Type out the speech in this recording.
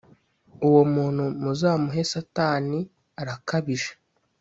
uwo muntu muzamuhe satani arakabije